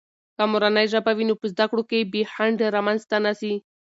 که مورنۍ ژبه وي، نو په زده کړو کې بې خنډ رامنځته نه سي.